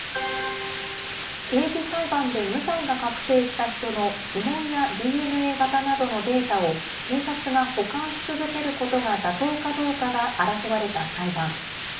刑事裁判で無罪が確定した人の指紋やＤＮＡ型などのデータを、警察が保管し続けることが妥当かどうかが争われた裁判。